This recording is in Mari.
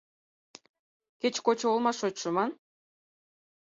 «Кеч кочо олма шочшо!» ман.